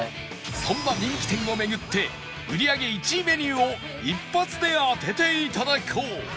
そんな人気店を巡って売り上げ１位メニューを一発で当てていただこう